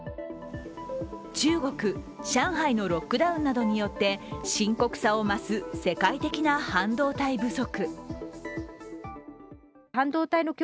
中国・上海のロックダウンなどによって、深刻さを増す世界的な半導体不足。